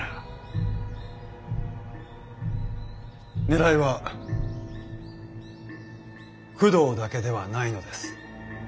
狙いは工藤だけではないのです。